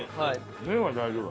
麺は大丈夫。